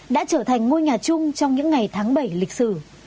đã trở thành ngôi nhà chung trong những ngày tháng bảy lịch sử